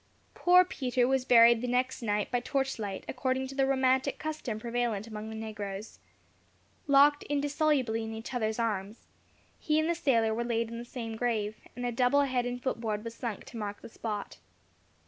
Poor Peter was buried the next night by torchlight, according to the romantic custom prevalent among the negroes. Locked indissolubly in each other's arms, he and the sailor were laid in the same grave, and a double head and foot board was sunk to mark the spot.